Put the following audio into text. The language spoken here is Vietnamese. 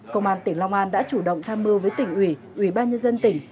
công an tỉnh long an đã chủ động tham mưu với tỉnh ủy ủy ban nhân dân tỉnh